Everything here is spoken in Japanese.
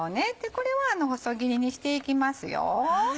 これは細切りにしていきます。